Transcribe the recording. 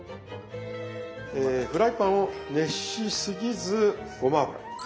フライパンを熱しすぎずごま油。